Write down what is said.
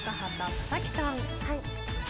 佐々木さん